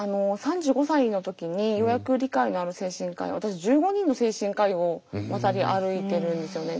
３５歳の時にようやく理解のある精神科医を私１５人の精神科医を渡り歩いてるんですよね。